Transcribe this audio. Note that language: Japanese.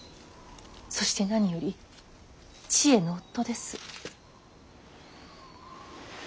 そして何よりちえの夫です。